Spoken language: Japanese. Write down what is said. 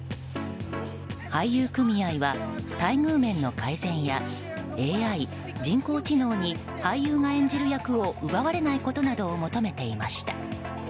俳優組合は、待遇面の改善やＡＩ・人工知能に俳優が演じる役を奪われないことなどを求めていました。